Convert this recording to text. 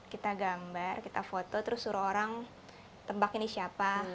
kita gambar kita foto terus suruh orang tebak ini siapa